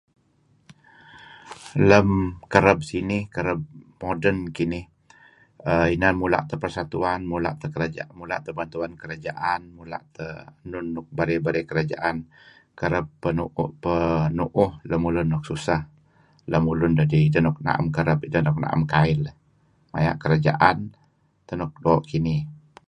Lem kereb sinih kereb modern kinih inan mula' persatuan mula' teh bantuan kerajaan nuk nuk barey-bary kerajaan kereb penuuh lemulun nuk susah lem ulun dedih nuk naem kail, maya' kerajaan teh doo' kinih.